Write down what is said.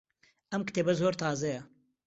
ئەم کتێبە زۆر تازەیە.